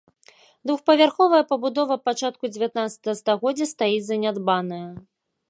Двухпавярховая пабудова пачатку дзевятнаццатага стагоддзя стаіць занядбаная.